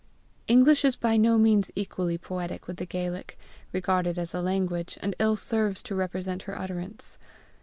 English is by no means equally poetic with the Gaelic, regarded as a language, and ill serves to represent her utterance.